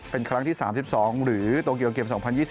เป็นครั้งที่๓๒หรือโตเกียรติเกียรติ๒๐๒๐